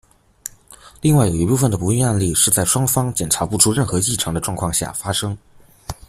另外有一部分的不孕案例是在双方检查不出任何异常的状况下发生。